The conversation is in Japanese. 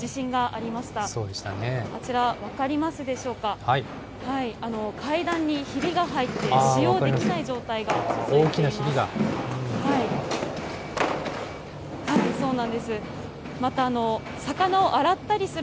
あちら、分かりますでしょうか、階段にひびが入っていて、使用できない状態が続いています。